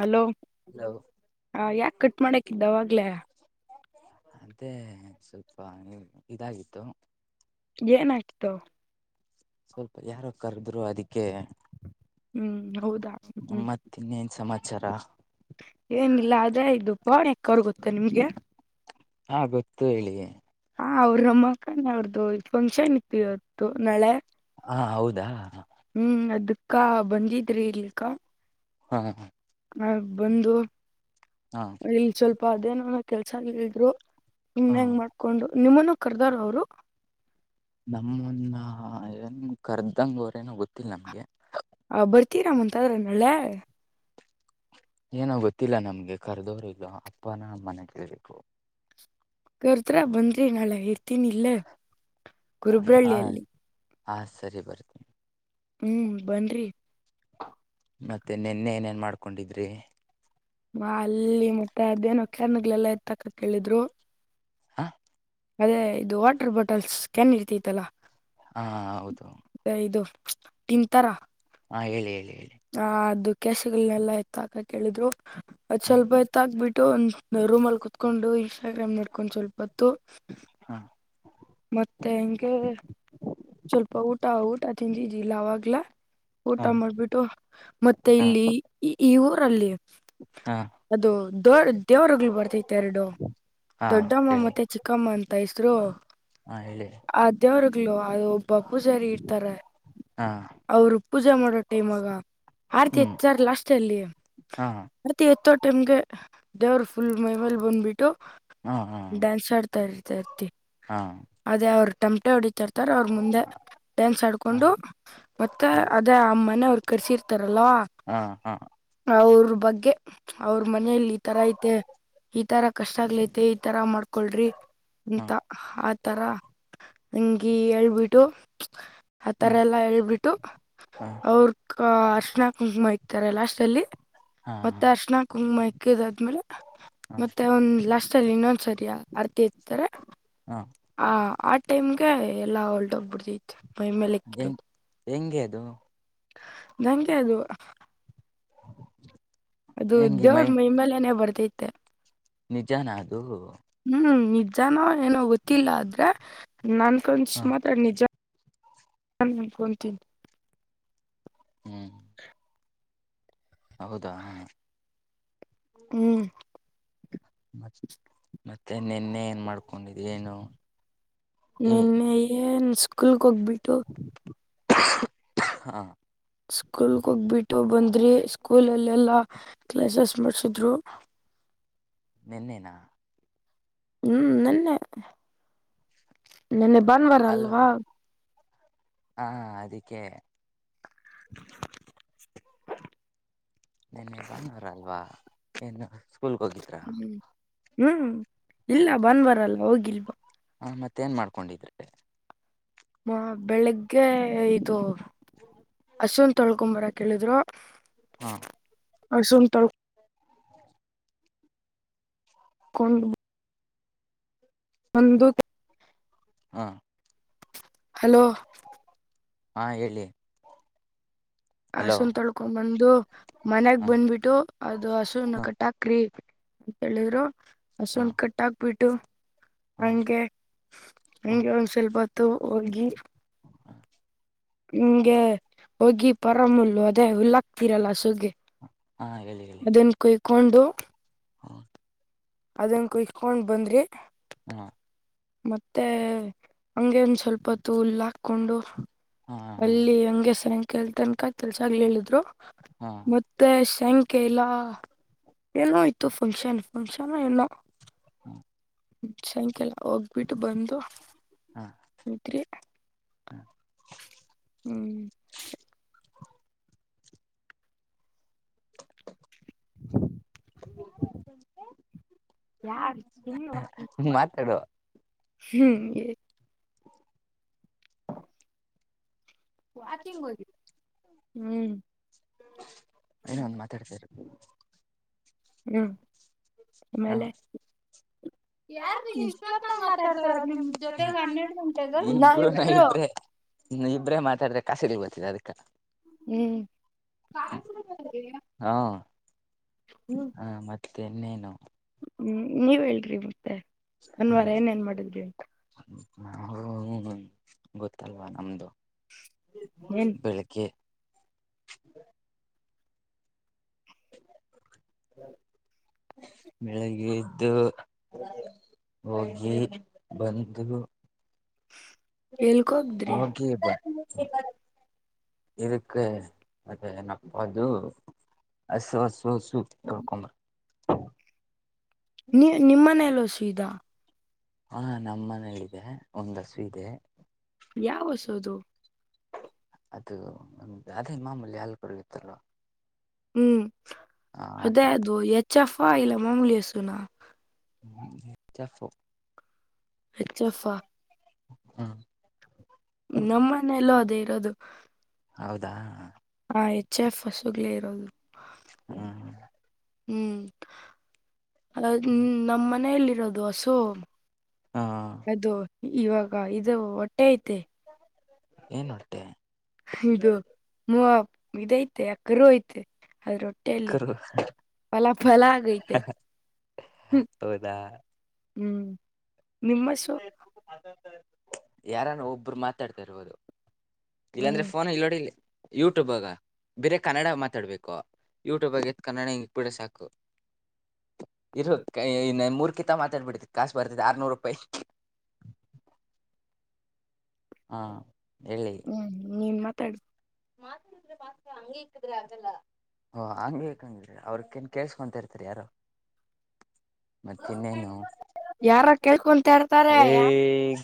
Hello hello ಹ ಯಾಕ cut ಮಾಡಕಿದ್ದಾವಾಗ್ಲೇ ಅದೇ ಸ್ವಲ್ಪ ನೀ ಇದಾಗಿತ್ತು ಏನು ಆಯ್ತು ಸ್ವಲ್ಪ ಯಾರೋ ಕರ್ದ್ರು ಅದಕ್ಕೆ ಹ್ಮ್ ಹೌದಾ ಹ್ಮ್ ಮತ್ತ ಇನ್ನೇನ್ ಸಮಾಚಾರ ಏನಿಲ್ಲ ಅದೇ ದು ಬಾಣಿ ಎಕ್ಕ ಅವ್ರ ಗೊತ್ತಾ ನಿಮ್ಗೆ ಹಾ ಗೊತ್ತು ಹೇಳಿ ಹಾ ಅವ್ರಮ್ಮಕ್ಕಣ ಅವ್ರ್ದು ಫಂಕ್ಷನ್ ಇತ್ತು ಇವತ್ತು ನಾಳೆ ಹಾ ಹೌದಾ ಹ್ಮ್ ಅದಕ್ಕ ಬಂದಿದ್ರಿ ಇಲಿಕ್ಕ ಹಾ ಹ ಹಾ ಆ ಬಂದು ಹಾ ಇಲ್ಲಿ ಸ್ವಲ್ಪ ಅದೇನನ ಕೆಲ್ಸ ಹೇಳ್ರು ನಿಮ್ ಹ ಹೆಂಗ್ ಮಾಡ್ ಹಕೊಂಡು ನಿಮ್ಮನ್ನು ಕರ್ದಾರ್ ಅವ್ರು ನಮ್ಮನ್ನು ಏನು ಕರೆದಂಗಗೆ ಅವರೇನೋ ಗೊತ್ತಿಲ್ಲ ನಮಗೆ ಆ ಬರ್ತೀರಾಮ ಅಂತದ್ರೆ ನಳ್ಳೆ ಏನೋ ಗೊತ್ತಿಲ್ಲ ನಮ್ಗೆ ಕರ್ದೋರು ಇಲ್ಲ ಅಪ್ಪನ ಮನೆ ಕೇಬೇಕು ಕರ್ದ್ರ ಬಂದ್ರಿ ನಾಳೆ ಇರ್ತೀನಿ ಇಲ್ಲ ಗುರುಬ್ರಳ್ಳಿಯಲ್ಲಿ ಹಾಂ ಸರಿ ಬರ್ತೀನಿ ಹ್ಮಞ ಬನ್್ರರಿ ಮತ್ತೆ ನಿೆನ್ನೆ ಏನೇನ್ ಮಾಡ್ಕೊಂಡಿದ್ರಿ ಹಾ ಅಲ್ಲಿ ಮತ್ತೆ ಅದೇನ ಕರ್ನಗಳಲ್ಲಾ ಇರ್ತಕ ಕೇಳಿದ್ರು ಹಾ ಅದೇ ಇದು ವಾಟರ್ ಬಾಟಲ್ಸ್ ಕೆ್ಯಾನ್ ಇರ್ತಿತ್ತಲ್ಲಾ ಹಾ ಹೌದು ಐದು ತಿಂತಾರಾ ಹಾ ಹೇಳಿ ಹೇಳಿ ಹೇಳಿ ಹ ಅದು ಕೆಸಗಳನೆಲ್ಲ ಆಯ್ತು ಆಕ ಕೇಳಿದ್ರು ಸ್ವಲ್ಪ ಗತ್ತಾಕ್ಬಿಟ್ಟು ಒಂದು ರೂಮ್ ಅಲ್ಲಿ ಕುೂತ್ಕೊಂಡು ಇನ್ಸ್ಟಾಗ್ರಾಮ್ ನಡ್ಕೊಂಡ್ ಸ್ವಲ್ಪ ಹೊತ್ತು ಹಾ ಮತ್ತೆ ಹೆಂಗೆ ಸ್ವಲ್ಪ ಊಟ ಊಟ ತಿಂದಿದಿಲ್ಲ ಅವವಾಗ್ಲ ಊಟ ಹಾ ಮಾಡ್ಬಿಟ್ಟು ಮತ್ತೆ ಹಾ ಹಾ ಇಲ್ಲಿ ಈ ಊರಲ್ಲಿ ಹಾ ಅದು ದೊ ದೇವ್ರಗ್ಳ ಬರ್ತತೆ ಎರಡು ಹಾ ದೊಡ್ಡಮ್ಮ ಹೇಳಿ ಮತ್ತೆ ಚಿಕ್ಕ ಕಮ್ಮ ಅಂತ ಹೆಸರು ಹಾ ಹೇಳಿ ಅದೇವರ್ಗ್ಲು ಅದು ಒಬ್ಬ ಪೂಜಾರಿ ಇರ್ತಾರೆ ಹಾ ಅವರು ಪೂಜಾ ಮಾಡೋ ಟೈಮ್ಗ ಆರ್ತಿ ಹ್ಮ್ ಹೆಚ್ಚಾರ್ ಲಾಸ್ಟ್ ಅಲ್ಲಿ ಹಾ ಮತ್ತೆ ಎತ್ತ ಟೈಮ್ಗೆ ದೇವ್ರ ಫುಲ್ ಮೇವಲ್ ಬಂದ್ಬಿಟ್ಟು ಹಾ ಡ್ಯಾನ್ಸ್ ಆಡ್ತಾ ಇರ್ತರ್ತಿ ಹಾ ಅದೇ ಅವ್ರ ಟಮಟೆ ಹೊಡಿತಾರೆ ಹತಾರ ಅವ್ರ ಮುಂದೆ ಡ್ಯಾನ್ಸ್ ಹಾ ಆಡ್ಕೊಂಡು ಮತ್ತೆ ಹಾ ಅದೇ ಅಮ್ಮನ ಅವರು ಕರ್ಸಿ ಇರ್ತಾರಲ್ವಾ ಹಾ ಹಾ ಅವ್ರ ಬಗ್ಗೆ ಅವ್ರ ಮನೆಯಲ್ಲಿ ಈ ತರ ಐತೆ ಈ ತರ ಕಷ್ಟ ಆಗ್ಲೈತೆ ಮ ಈ ತರ ಮಾಡ್ಕೊಳ್ರಿ ಹಾ ಎಂತ ಆ ತರ ಎೇಳ್ಬಿಟ್ಟು ಆತರ ಎಲ್ಲಾ ಎೇಳ್ಬಿಟ್ಟು ಹಾ ಅವ್ರ ಅರ್ಶನಾ ಕುಂಕುಮ ಇತಾರೆ ಲಾಸ್ಟ್ ಅಲ್ಲಿ ಹಾ ಮತ್ತೆ ಅರ್ಶಣ ಕುಂಗಮ ಇಕ್ಕಿದ ಆದ್ಮೇಲೆ ಹಾ ಮತ್ತೆ ಒಂದ್ ಲಸ್ ಸ ಇನ್ನೊಂದ್ ಸರಿಯ ಅರ್ತಿ ಇರ್ತಾರೆ ಹಾ ಆ ಆ ಟೈಮ್ಗೆ ಎಲ್ಲಾ ಹೊಲ್ಟೊಬ್ಬಿಡ್ದಿತ್ತು ಮೈ ಮೇಲೆ ಹೆಂಗ್ ಎಕ್ಕಿರದು ಹೆಂಗೆ ಅದು ನನ್ಗೆ ಅದು [inaudible] ಅದು ಹೆಂಗೆ ಮೈ ದೇವ್ರ್ ಮೈಮೇಲೆನೆೇ ಬರ್ತೈತೆ ನಿಜಾನದು ಹೂ ನಿಜಾನೋ ಏನೋ ಗೊತ್ತಿಲ್ಲ ಆದ್ರೆ ನನ್ ಕನ್ಸ್ ಹ ಮಾತ್ರ ನಿಜಾ ನಾನು ಮಲ್ಕೊಳ್ತೀನಿ ಹೂ ಹೌದಾ ಹ್ಮ್ ಮತ್ ಮತ್ತೆ ನಿನ್ನೆ ಏನ್ ಮಾಡ್ಕೊಂಡಿದ್ ಏನು ಈ ನೆನ್ನೆ ಏನ್ ಸ್ಕೂಲ್ಗ್ ಹೋಗ್ಬಿಟ್ಟು [unintelligible] ಹಾ ಸ್ಕೂಲ್ಗೆ ಹೋಗ್ಬಿಟ್ಟು ಬಂದ್ರಿ ಸ್ಕೂಲ್ಲ್ಲ ಎಲ್ಲಾ ಕ್ಲಾಸ್ ಮಾಡ್ಸಿದ್ರು ನೆನ್ನೆನಾ ಹೂ ನೆನ್ನೆ ನೆನ್ನೆ ಬನ್ವಾರ ಅಲ್ಲ ಅಲ್ವಾ ಹಾ ಅದಿಕ್ಕೆ [unintelligible] ನೆನ್ನೆ ಬಾನ್ವಾರಾ ಅಲ್ವಾ ಏನು ಸ್ಕೂಲ್ಗೆ ಹೋಗಿದ್ರಾ ಹೂ ಹೂ ಇಲ್ಲ ಬಾನ್ವಾರ ಅಲ್ವಾ ಹೋಗಿಲ್ವಾ ಹ ಮತ್ತೇಏನ್ ಮಾಡ್ಕೊಂಡಿದ್ರೆ ಬೆಳಿಗ್ಗೆ ಇದು ಆಸ್ವಾನ ತೊಳ್ಕೊಂಡು ಬರೋಕ್ ಹೇಳಿದ್ರು ಹಾ ಹಸುನ ತೋ [inaudible] [unintelligible] ನಂದು ಹಾ ಹಲೋ ಹಾ ಹೇಳಿ ಹಲೋ ಹಸುನ್ ತೊಳ್ಕೊಂಡ ಬಂದು ಮನ್ಯಾಗ ಹಾ ಬಂದ್ಬಿಟ್ಟು ಅದು ಹಸುನ ಹಾ ಕಟ್ಟಾಕ್ರಿ ಅಂತ ಹೇಳಿದ್ರು ಹಾ ಹಸುನ್ ಕಟ್ಾಕ್ಬಿಟ್ಟು ಹಂಗೆ ಹಂಗೆ ಒಂದ್ ಸ್ವಲ್ಪ ಹೊತ್ತು ಹೋಗಿ ಹಾ ಹಂಗೆ ಹೋಗಿ ಪರಮುಲ್ಲು ಅದೇ ಹುಲ್ಲಾಕ್ತಿರಲ್ಲ ಸುಗ್ಗೆ ಹಾ ಅದನ್ನ ಕುಯ್ಕೊಂಡು ಹೌ ಅದನ್ ಕೋಕೊಂಡು ಬಂದ್ರಿ ಹಾ ಮತ್ತೆ ಹಂಗೇನ್ ಸ್ವಲ್ಪ ಹುಲ್ಲು ಹಾಕೊಂಡು ಹಾ ಹಾ ಅಲ್ಲಿ ಹಂಗೆಸಂಕಲ್ ತನಕ ಕೆಲ್ಸಗ್ಲಿ ಹೇಳಿದ್ರು ಹಾ ಮತ್ತೆ ಶಂಖ್ಯ ಇಲ್ಲ ಏನೋ ಆಯ್ತು ಫಂಕ್ಷನ್ ಫಂಕ್ಷನ್ ಏನೋ ಹೂ ಸಂಾಯಕಲ್ಲ ಹೋಗ್ಬಿಟ್ಟು ಬಂದು ತ್ರಿ ಹೂ ಹ್ಮ್ ಎಡ್ಡ ತಿಂಗಳ ಹೊಂಟಿ. ಮಾತಾಡು ಹ್ಮ್ ವಾಕಿಂಗ್ ಹೋಗಿ ಹ್ಮ್. ಏನ್ ಹಂಗ ಮಾತಾಡ್ತ ಇರೋದು. ಹ್ಮ್ ಹಾ ಆಮೇಲೆ ಯಾ ಯಾರ್ರೀ ಇಷ್ಟೊತ್ತಾಗ ಇಷ್ಟೊತ್ತಂಗ ಮಾತಾಡ್ತಾ ಮಾತಾಡ್ತವ್ರ ಇರೋದು ನಿಮ್ ಜೊತೆಗ ಜೊತೆ ನಾನು ಹನ್ನೆರಡು ಗಂಟೆಗ ಬಿಡು ಟೈಮ್ ಇದ್ರೆ. ಹ್ಮ ನಾವ್ ಇಬ್ರೇ ಮಾತಾಡ್ರೆ ಕಾಸಿಗೆ ಬರುತ್ತೆ ಅದಕ್ಕೆ ಹ್ಮ್. ಹಾ ಹ ಮತ್ತೆ ಇನ್ನೇನು. ಹ್ಮ್ ನೀವ್ ಹೇಳ್ರಿ ಮತ್ತೆ ಭಾನುವಾರ ಏನ್ ಏನ್ ಮಾಡಿದ್ರಿ ಅಂತ. ಹ್ಮ ಹ್ಮ್ ಹ್ಮ ಗೊತ್ತಲ್ವಾ ನಮ್ದು. ಏನ್ ಬೆಳಿಗ್ಗೆ. [unintelligible] ಬೆಳಿಗ್ಗೆ ಎದ್ದು ಹೋಗಿ ಬಂದು. ಎಲ್ಗೋಗಿದ್ರಿ ಹೊಗಿಬ. ಇದಕೆ ಅದೇ ಏನಪ್ಪಾ ಅದು ಹಸು ಹಸು ಹಸು ತಡ್ಕೊಮದ. ನೀ ನಿಮ್ಮನೇಲೀ ಹಸು ಇದಾ ಹಾ ನಮ್ಮ ಮನಲ್ಲಿದೆ ಒಂದ್ ಹಸು ಇದೆ. ಯಾವ ಹಸು ಅದು. ಅದು ನಮ್ದು ಅದೇ ಮಾಮೂಲಿ ಹಾಲ್ ಕೊಡುತಲವ. ಹ್ಮ್ ಆತ ಅದೇ ಅದು ಎಚ್ ಎಫ್ ಇಲ್ಲ ಮಾಮೂಲಿ ಹಸುನಾ ಎಚ್ ಎಫ್ ಎಚ್ ಎಫಾ ಹ್ಮ ನಮ್ಮ ಮನೆಯಲೂ ಅದೇ ಇರೋದು. ಹೌದಾ ಹ ಹೆಚ್ ಎಫ್ ಹಸುಗ್ಲೇ ಇರೋದು. ಹ್ಮ್ ಹ ಹ್ಮ್ ಅ ಹ್ಮ್ ನಮ್ಮ್ ಮನೆಯಲ್ಲಿರೋದು ಹಸು ಹ ಅದು ಇವಾಗ ಇದು ಒಟ್ಟ ಏನ್ ಹೊಟೆ ಇದು ಮೂವ ಇದ ಐತೆ ಕ್ಕರು ಐತೆ ಅದರ ಹೊಟ್ಟೆಯಲ್ಲಿ ಕರು ಫಲ ಫಲ ಆಗೈತೆ ಹೌದಾ. ಹ್ಮ್ ನಿಮ್ಮ ಹಸು ಯಾರಾನ ಒಬ್ರು ಮಾತಾಡ್ತಾ ಇರ್ಬೋದು ಇಲ್ಲಾಂದ್ರೆ ಹ್ಮ್ ಫೋನ್ ಇಲ್ಲೋಡಿ ಇಲ್ಲಿ ಯೂಟ್ಯೂಬ್ಗ ಬೇರೆ ಕನ್ನಡ ಮಾತಾಡ್ಬೇಕು ಯೂಟ್ಯೂಬ್ ಆಗೆ. ಕನ್ನಡಕ್ ಹಿಂಗ ಇಡಬಿಡು ಸಾಕು ಇರು ಮೂರ್ ಕಿಂತ ಮಾತಾಡ್ಬಿಡ್ತಿತಿ ಕಾಸು ಬರ್ತದೆ ಆರನೂರು ರೂಪಾಯಿ ಹಾಂ ಹೇಳಿ ಹ್ಮ್ ನಿನ್ ಮಾತಾಡು. [unintelligible] ಅಕ್ಕಾ ಹಂಗೆಇಕ್ಕದ್ರೆ ಆಗಲ್ಲಾ ಹೋ ಹಂಗೆಇಕ್ಕಲ್ಲಾ ಕೇಳ್ಸ್ಕೊಂತಾಇರ್ತರೆ ಯಾರು. ಮತ್ತ ಇನ್ನೇನು ಯಾರ ಕೇಳ್ಕೊಂತ ಇರ್ತಾರೆ ಏ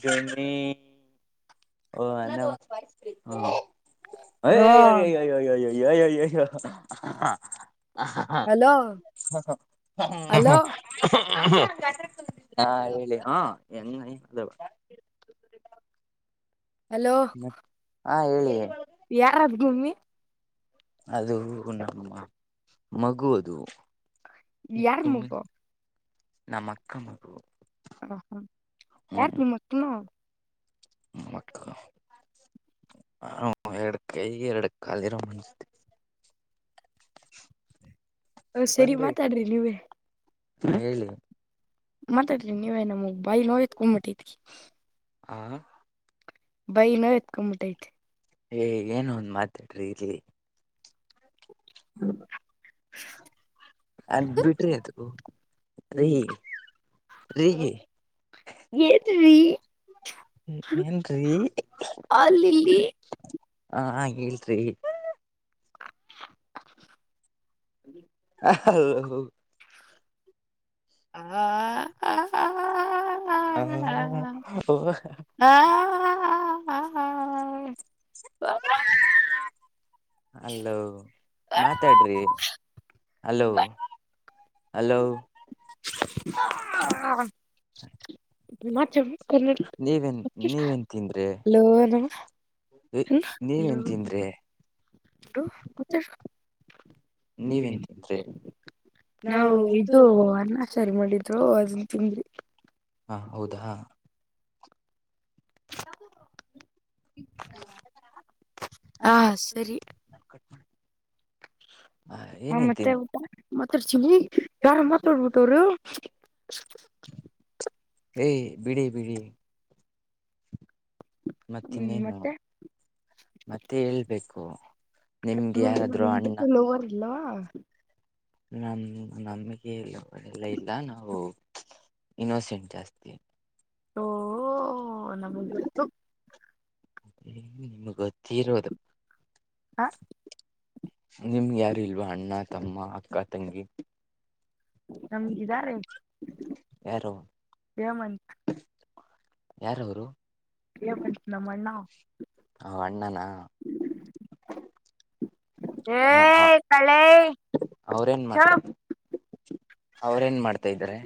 ಕನ್ನಿ. ಓ ಅಣ್ಣಾ ವಾಯ್ಸ್ ಬ್ರೇಕು ಅಯ್ಯ್ ಹ ಯ್ಯ್ ಯ್ಯ್. ಯಯ ಯಯ್ಯೋ ಹಹ್ ಹ್ಹುಕ್. ಹ ಹ ಹ ಹಲೋ ಹಾಹಾ ಉಹು ಹಲೋ ಉಹು ಉಹು. ಪ್ಯಾಮಿಲಿ ಹು ಏನ್ ನಾಯಿ ಕುಲು. ಹಲೋ ಹಾ ಹೇಳಿ ಯಾರಾದ್ ಡುಮ್ಮಿ. ಅದು ನಮ್ಮ ಮಗು ಅದು. ಯಾರ್ ಯಾಕೋಮ್ಮೆ ಮಗು ನಮ್ಮಕ್ಕ ಮಗ. ಹ ಹಾ ಯಾರ್ ನಿಮ್ಮಕ್ಕನ. ಮಕ್ಕ ಹ ಎರಡ್ ಕೈ ಎರಡ್ ಕಾಲಿರೋ. ಶೋ ಹು ಸರಿ ಮಾತಾಡ್ರಿ ನೀವೇ. ಹೇಳಿ. ಮಾತಾಡ್ರಿ ನೀವೇ ನಮಗ್ ಬಾಯ ನೋಯ್ತ್ ಕುಂಬಟ್ಟಿತಿ. ಆ ಬೈ ನೋ ಎತ್ಕೊಂಡ್ಬಿಟ್ಟೈತಿ. ಏ ಏನ ಒಂದ್ ಮಾತ ಪ್ರಿಜಿಲಿ. ಗುಂಚಕ್. ಅಲ್ಲಿ ಬಿಡ್ರಿ ಅದು ಕೈ. ರೀಗಿ ಏನ್ರಿ ಏನ್ರೀ ಅಲ್ಲಿ. ಆ ಹಾ ಇಲ್ಲಿಡ್ರಿ. ಟಕ್ ಟಕ್ ಹು ಕ್ಷಹೋ. ಆಆಆಹಾ ಆಆಆಹಾ ಹೋ ಹಾ. ಆ ಅಲೋ ಮಾತಾಡ್ರಿ ಅಲೋ. ಹಲೋ ಆಆಆಹಾ ಹ್ಹ ಹ್ಹಾ ನಿಮ್ಮತ್ ಜುಮ್ಕಿಲೆಟ್ ನೀವೇನ್ ಇಕ್ಕಿಸ್ ನೀವೇನ್ ತಿಂದ್ರಿ ಲೋನಾ. ಹು ಹಲೋ ನೀವೇನ್ ತಿಂದ್ರಿ ರು ಮತ್ತೆ ನೀವೇನ್ ತಿನ್ನದ್ರಿ. ನಾವು ಇದು ಅನ್ನಾಚಾರಿ ಮಾಡಿದ್ರು ಅದನ್ ತಿಂದ್ವಿ. ಹಾ ಹೌದಾ. ಮಾತಾಡಬೇಡಾ ಹಾ ಸರಿ ಅದನ್ನ ಕಟ್ ಮಾಡ್. ಹ ಮತ್ತೆ ಊಟ ಮತ್ತಡ್ ಚಿನಿ ಯ ಮತ್ಡ್ಬಿಟ್ಟವರು. ಏ ಬಿಡಿ ಬಿಡಿ ಹ್ಮ್ ಮತ್ತೆನ್ನೇನು ಮತ್ತೆ ಮತ್ತೆ ಹೇಳ್ಬೇಕು. ನಿಮ್ಗೆ ಯಾರಾದ್ರು ಹ್ಮ್ಂತ ಅಣ್ಣ ಹಲವರ್ಲ್ವಾ. ನಮ ನಮಗೆ ಎಲ್ಲ ಇಲ್ಲ ನಾವು ಇನ್ನೋಸೆಂಟ್ ಜಾಸ್ತಿ. ಓ ನಮಗ್ ಗೊತ್ತು ನಿಮ್ಗ್ ಗೊತ್ತಿರೊದು. ಹ ನಿಮ್ಗ್ ಯಾರ ಇಲ್ವಾ ಅಣ್ಣ ತಮ್ಮ ಅಕ್ಕ ತಂಗಿ ನಮ್ಗ ಇದಾರೆ ಯಾರೋ ಯ ಮಂತ ಯಾರವರು ಯ ಮಂತ್ ನಮ್ಮ ಅಣ್ಣ ಅವ ಹ ಅಣ್ಣನಾ ಹಾ ಹಾ ಏ ಕಳೆ ಅವ್ರೇನ್ ಮಾಡ್ತಾರೆ. ಅವ್ರೇನ್ ಮಾಡ್ತಾ ಇದಾರೆ.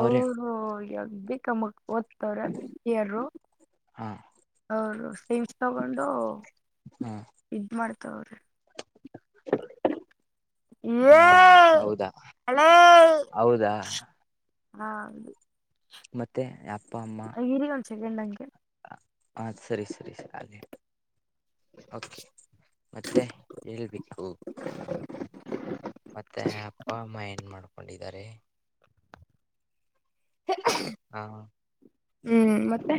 ಅವ್ರೇ ಯಗ್ ಬ ಕಮ್ಮಕ್ ಓದ್ತವ್ರ ಯಾರರು ಹಾ ಅವರು ಸ್ಟಿಮ್ಸ್ ತಗೊಂಡು ಹಾ ಇದ ಮಾಡ್ತಾವ್ರಿ [inaudible] ಏ ಹಾ ಹೌದಾ ಹಳೇ ಹೌದಾ ಹಾ ಮತ್ತೆ ಅಪ್ಪ ಅಮ್ಮ ಇರಿ ಒಂದ್ ಸೆಕೆಂಡ್ ಹಂಗೆ ಹಾ ಸರಿ ಸರಿ ಸರಿ ಹಾಗೆ ಕೆ ಮತ್ತೆ ಹೇಳ್ಬೇಕು. ಮತ್ತೆ ಅಪ್ಪ ಅಮ್ಮ ಏನ್ ಮಾಡ್ಕೊಂಡಿದ್ದಾರೆ. ಹಾ ಹ್ಮ್ ಮತ್ತೆ